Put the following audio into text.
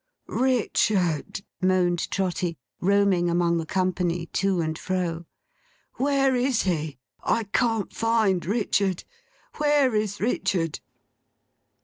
'Richard,' moaned Trotty, roaming among the company, to and fro; 'where is he? I can't find Richard! Where is Richard?